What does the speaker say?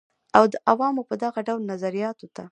او د عوامو دغه ډول نظریاتو ته